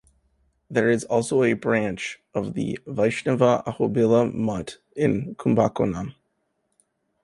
There is also a branch of the Vaishnava Ahobila mutt in Kumbakonam.